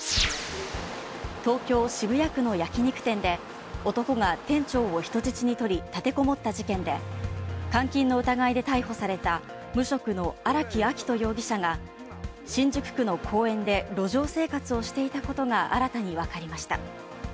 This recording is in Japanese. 東京都・渋谷区の焼肉店で男が店長を人質に取り立てこもった事件で、監禁の疑いで逮捕された無職の荒木秋冬容疑者が新宿区の公園で路上生活をしていたことが新たにわかりました。